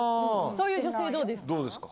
そういう女性どうですか？